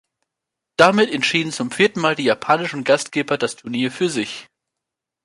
Damit entschieden zum vierten Mal die japanischen Gastgeber das Turnier für sich.